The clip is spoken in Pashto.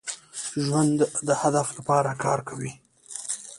ژوندي د هدف لپاره کار کوي